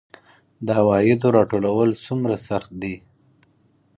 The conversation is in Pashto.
د عوایدو راټولول څومره سخت دي؟